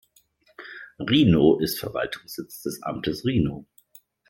Rhinow ist Verwaltungssitz des Amtes Rhinow.